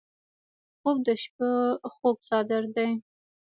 خوب د شپه خوږ څادر دی